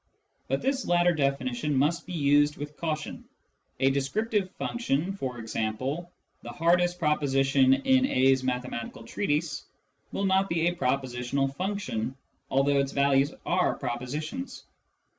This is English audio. But this latter definition must be used with caution. A descriptive function, e.g. " the hardest proposition in A's mathematical treatise," will not be a pro positional function, although its values are propositions.